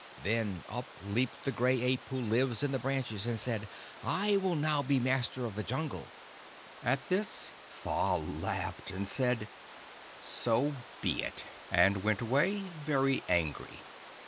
Then up leaped the Gray Ape who lives in the branches, and said, 'I will now be master of the Jungle.' At this Tha laughed, and said, 'So be it,' and went away very angry.